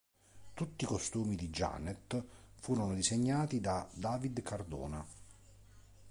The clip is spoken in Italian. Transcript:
Tutti i costumi di Janet furono disegnati da David Cardona.